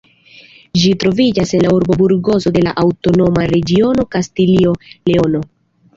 Ĝi troviĝas en la urbo Burgoso de la aŭtonoma regiono Kastilio-Leono.